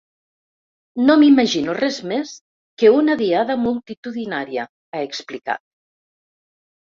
No m’imagino res més que una Diada multitudinària, ha explicat.